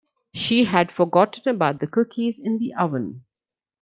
She had forgotten about the cookies in the oven.